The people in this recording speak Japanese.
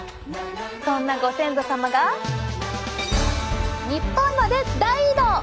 そんなご先祖様が日本まで大移動！